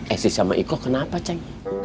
ese sama iko kenapa cik